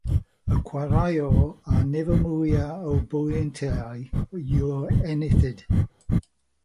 Y chwaraewr â'r nifer mwyaf o bwyntiau yw'r enillydd.